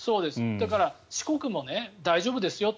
だから、四国も大丈夫ですよと。